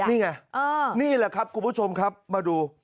นี่ไงนี่แหละครับคุณผู้ชมครับมาดู